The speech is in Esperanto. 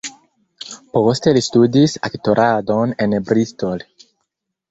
Poste li studis aktoradon en Bristol.